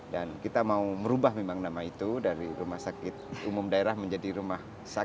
dan kita mau merubah memang nama itu dari rumah sakit umum daerah menjadi rumah sehat